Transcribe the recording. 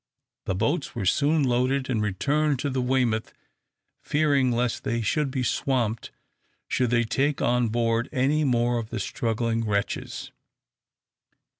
The boats were soon loaded, and returned to the "Weymouth," fearing lest they should be swamped should they take on board any more of the struggling wretches.